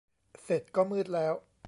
เสร็จก็มืดแล้ว